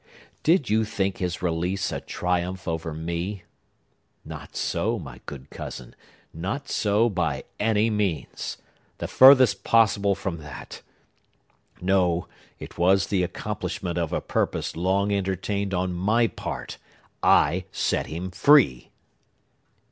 Did you think his release a triumph over me? Not so, my good cousin; not so, by any means! The furthest possible from that! No; but it was the accomplishment of a purpose long entertained on my part. I set him free!"